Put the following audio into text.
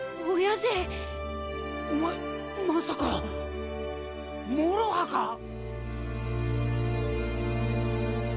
おまえまさかもろはか。